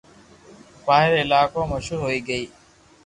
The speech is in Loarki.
پاھي ري علائقون مشھور ھوئي گئي